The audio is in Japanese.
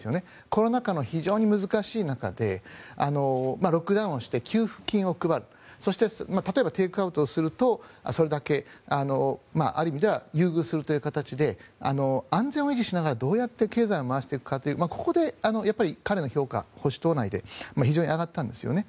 コロナ禍の非常に難しい中でロックダウンして給付金を配るそして、例えばテイクアウトするとそれだけ、ある意味では優遇するという形で安全を維持しながらどうやって経済を回していくかというここで彼の評価保守党内で非常に上がったんですよね。